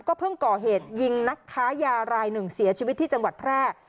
เพิ่งก่อเหตุยิงนักค้ายารายหนึ่งเสียชีวิตที่จังหวัดแพร่